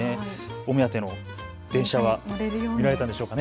お目当ての電車は見られたんでしょうかね。